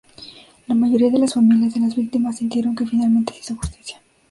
La mayoría de las familias de las víctimas sintieron que finalmente se hizo justicia.